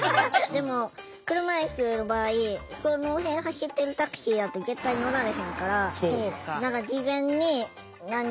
でも車いすの場合その辺走ってるタクシーやと絶対乗られへんから。